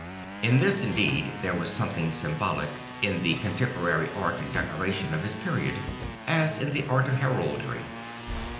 In this indeed there was something symbolic in the contemporary art and decoration of his period; as in the art of heraldry.